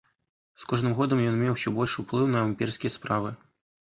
З кожным годам ён меў усё больш уплыў на імперскія справы.